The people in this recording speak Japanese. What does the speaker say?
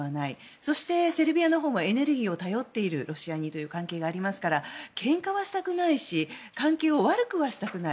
そして、セルビアのほうもエネルギーをロシアに頼っているという関係がありますからけんかはしたくないし関係を悪くはしたくない。